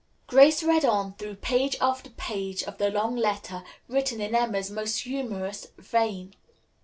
Grace read on through page after page of the long letter, written in Emma's most humorous vein.